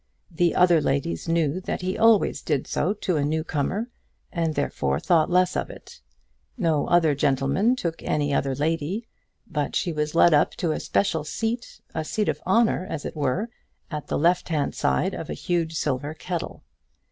The other ladies knew that he always did so to a newcomer, and therefore thought less of it. No other gentleman took any other lady, but she was led up to a special seat, a seat of honour as it were, at the left hand side of a huge silver kettle.